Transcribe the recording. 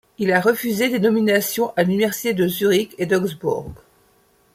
Il a refusé des nominations à l'université de Zurich et d'Augsbourg.